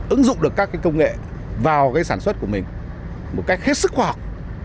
ứng dụng được các công nghệ vào sản xuất của mình một cách hết sức khoa học